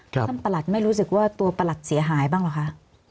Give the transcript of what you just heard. ประหลัดไม่รู้สึกว่าตัวประหลัดเสียหายบ้างเหรอคะ